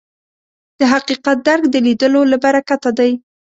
د حقیقت درک د لیدلو له برکته دی